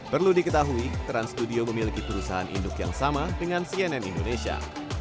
perlu diketahui trans studio memiliki perusahaan induk yang sama dengan cnn indonesia